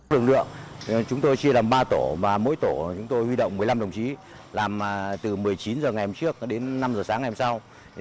thường lượng chúng tôi chia làm ba tổ và mỗi tổ chúng tôi huy động một mươi năm đồng chí làm từ một mươi chín h ngày hôm trước đến năm h sáng ngày hôm sau